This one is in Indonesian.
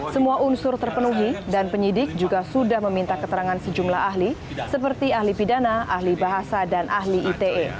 semua unsur terpenuhi dan penyidik juga sudah meminta keterangan sejumlah ahli seperti ahli pidana ahli bahasa dan ahli ite